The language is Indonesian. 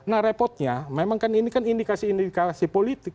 nah repotnya memang kan ini kan indikasi indikasi politik